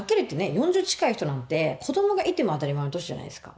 ４０近い人なんて子どもがいても当たり前の年じゃないですか。